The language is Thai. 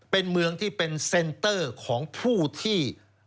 เป็นเมืองที่เป็นเซ็นเตอร์ของผู้ที่